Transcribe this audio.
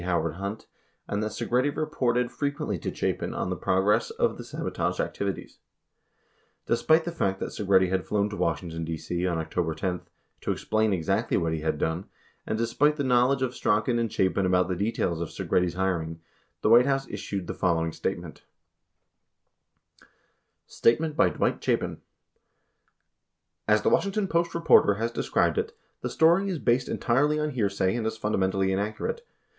Howard Hunt, and that Segretti reported fre quently to Chapin on the progress of the sabotage activities. Despite the fact that Segretti had flown to Washington, D.C., on October 10, to explain exactly what he had done, and despite the knowledge of Strachan and Chapin about the details of Segretti's hiring, the White House issued the following statement,: Statement by Dwight Chapin As the Washington Post reporter has described it, the story is based entirely on hearsay and is fundamentally inaccurate.